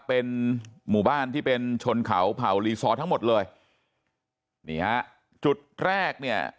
เป็นหมู่บ้านที่เป็นชนเขาเผ่ารีซอร์ทั้งหมดเลยนี่ฮะจุดแรกเนี่ย